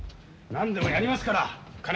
何でもやりますから金。